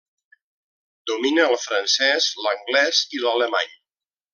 Domina el francès, l'anglès i l'alemany.